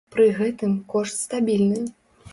Пры гэтым, кошт стабільны.